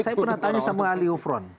saya pernah tanya sama ali ufron